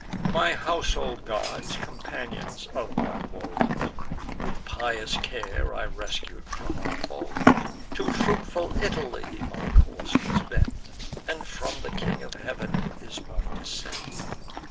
My household gods, companions of my woes, With pious care I rescued from our foes. To fruitful Italy my course was bent; And from the King of Heav'n is my descent.